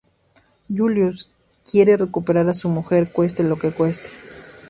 Julius quiere recuperar a su mujer cueste lo que cueste.